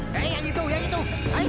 hey nanti dapat dong gajibu